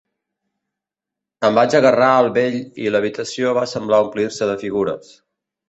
Em vaig agarrar al vell i l'habitació va semblar omplir-se de figures.